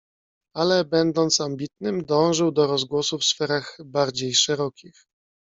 "Ale, będąc ambitnym, dążył do rozgłosu w sferach bardziej szerokich."